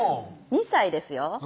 ２歳ですよ